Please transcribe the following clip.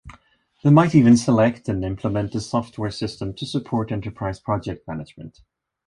They might even select and implement a software system to support Enterprise Project Management.